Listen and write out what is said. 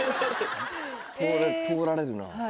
通られるなぁ。